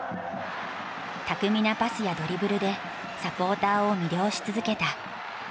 巧みなパスやドリブルでサポーターを魅了し続けた。